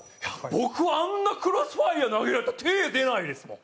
僕あんなクロスファイヤー投げられたら手出ないですもん。